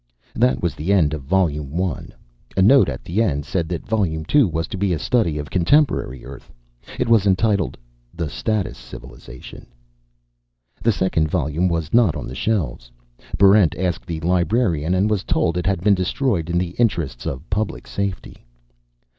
That was the end of volume one. A note at the end said that volume two was to be a study of contemporary Earth. It was entitled The Status Civilization. The second volume was not on the shelves. Barrent asked the librarian, and was told that it had been destroyed in the interests of public safety.